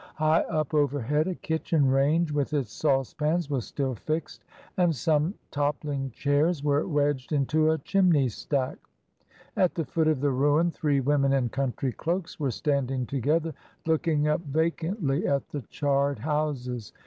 High up overhead a kitchen range, with its sauce pans, was still fixed, and some toppling chairs were wedged into a chimney stack. At the foot of the ruin, three women in country cloaks were standing together looking up vacantly at the charred houses.